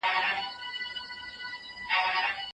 د نفوسو د ودي اغیزې به په دقت سره څیړل سوې وي.